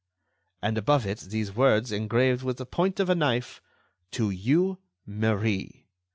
And above it, these words, engraved with the point of a knife: 'To you, Marie.